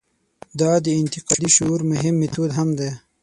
دا د انتقادي شعور مهم میتود هم دی.